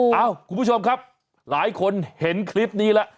เอ้าคุณผู้ชมครับหลายคนเห็นคลิปนี้แล้ว